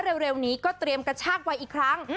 เร็วนี้ก็เตรียมกระชากวัยอีกครั้ง